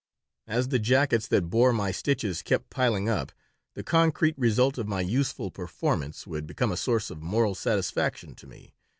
As the jackets that bore my stitches kept piling up, the concrete result of my useful performance would become a source of moral satisfaction to me.